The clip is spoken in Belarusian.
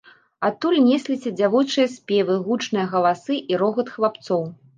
Адтуль несліся дзявочыя спевы, гучныя галасы і рогат хлапцоў.